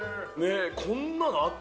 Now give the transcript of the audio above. こんなのあった？